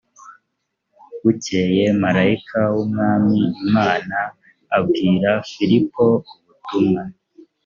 bukeye marayika w’umwami imana abwira filipo ubutumwa